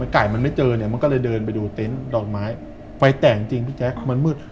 ไก่มันไม่เจอมันก็เลยเดินไปดูเต็นต์ดอกไม้ไฟแตกจริงมันมืด